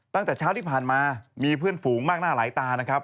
ตั้งแต่เช้าที่ผ่านมามีเพื่อนฝูงมากหน้าหลายตานะครับ